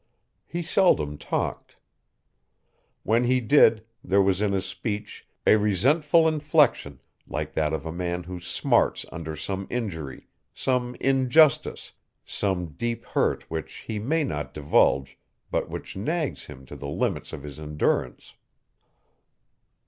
He seldom talked. When he did there was in his speech a resentful inflection like that of a man who smarts under some injury, some injustice, some deep hurt which he may not divulge but which nags him to the limits of his endurance.